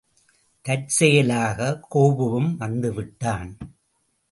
தற்செயலாக, கோபுவும் வந்துவிட்டான்.